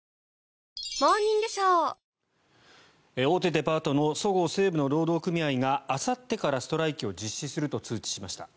デパートのそごう・西武の労働組合があさってからストライキを実施すると通知しました。